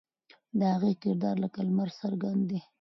د هغې کردار لکه لمر څرګند دی.